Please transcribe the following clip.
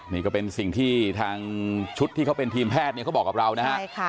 นี่ก็เป็นสิ่งที่ทางชุดที่เขาเป็นทีมแพทย์เนี่ยเขาบอกกับเรานะฮะ